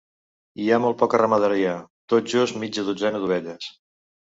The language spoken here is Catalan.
Hi ha molt poca ramaderia: tot just mitja dotzena d'ovelles.